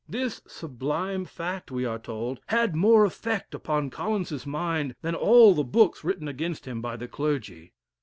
This sublime fact, we are told, had more effect upon Collins's mind than all the books written against him by the clergy.